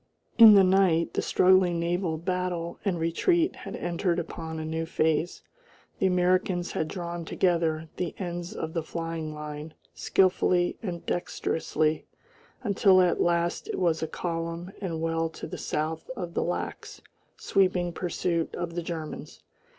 In the night the struggling naval battle and retreat had entered upon a new phase. The Americans had drawn together the ends of the flying line skilfully and dexterously, until at last it was a column and well to the south of the lax sweeping pursuit of the Germans.